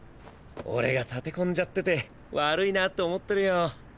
俺が立て込んじゃってて悪いなァって思ってるよ。